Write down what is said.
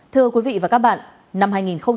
thưa quý vị và các bạn năm hai nghìn hai mươi ba